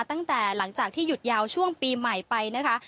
หลังจากที่หยุดยาวช่วงปีใหม่ไปนะคะ